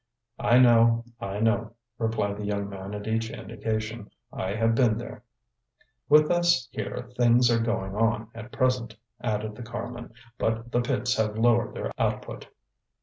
"I know, I know," replied the young man at each indication. "I have been there." "With us here things are going on at present," added the carman; "but the pits have lowered their output.